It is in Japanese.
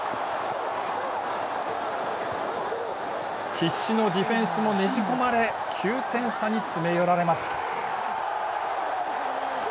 必死のディフェンスもねじ込まれ９点差に詰め寄られます。